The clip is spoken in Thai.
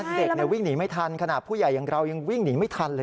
เด็กวิ่งหนีไม่ทันขนาดผู้ใหญ่อย่างเรายังวิ่งหนีไม่ทันเลย